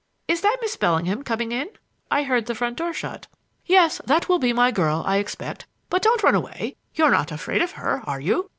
Is that Miss Bellingham coming in? I heard the front door shut." "Yes, that will be my girl, I expect; but don't run away. You're not afraid of her, are you?"